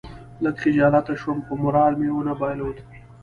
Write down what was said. لږ خجالت شوم خو مورال مې ونه بایلود.